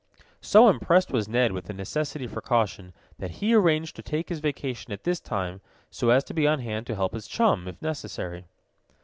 So impressed was Ned with the necessity for caution that he arranged to take his vacation at this time, so as to be on hand to help his chum, if necessary.